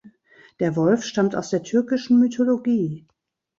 Der Wolf stammt aus der türkischen Mythologie.